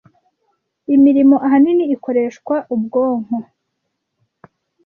imirimo ahanini ikoreshwa ubwonko.